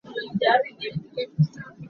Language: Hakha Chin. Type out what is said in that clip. Ka ek a ka fer.